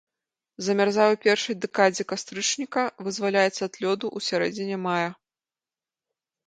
Замярзае ў першай дэкадзе кастрычніка, вызваляецца ад лёду ў сярэдзіне мая.